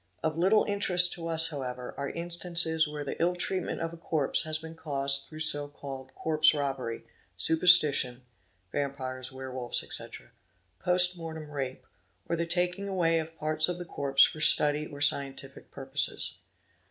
Of little interest to us however are instances where the ill treatment of a corpse has been caused through so called corpse robbery, superstition, (Vampires, Werewolfs, etc.), post mortem rape, or the taking away of parts of the corpse for study or scientific purposes.